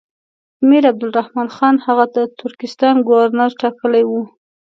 امیر عبدالرحمن خان هغه د ترکستان ګورنر ټاکلی وو.